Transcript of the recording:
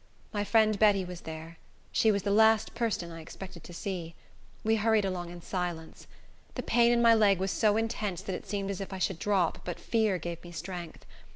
My friend Betty was there; she was the last person I expected to see. We hurried along in silence. The pain in my leg was so intense that it seemed as if I should drop but fear gave me strength.